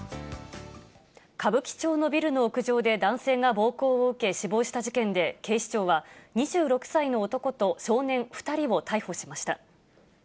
歌舞伎町のビルの屋上で男性が暴行を受け死亡した事件で、警視庁は、２６歳の男と少年２人を逮捕しました。